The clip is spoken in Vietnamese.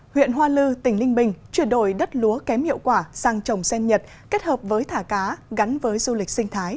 huyện hoa lư tỉnh ninh bình chuyển đổi đất lúa kém hiệu quả sang trồng sen nhật kết hợp với thả cá gắn với du lịch sinh thái